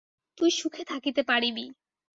তুই সুখে থাকিতে পারিবি।